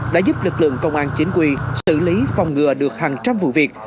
đã giúp lực lượng công an chính quy xử lý phòng ngừa được hàng trăm vụ việc